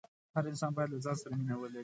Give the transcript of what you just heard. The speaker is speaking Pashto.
هر انسان باید له ځان سره مینه ولري.